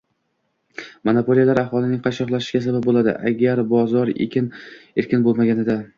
monopoliyalar aholining qashshoqlashishiga sabab bo‘ladi: agar bozor erkin bo‘lganida